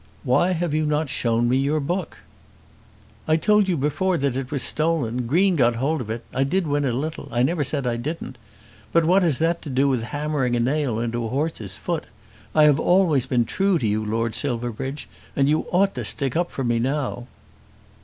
"Why have you not shown me your book?" "I told you before that it was stolen. Green got hold of it. I did win a little. I never said I didn't. But what has that to do with hammering a nail into a horse's foot? I have always been true to you, Lord Silverbridge, and you ought to stick up for me now."